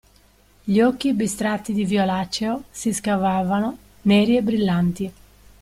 Gli occhi bistrati di violaceo si scavavano, neri e brillanti.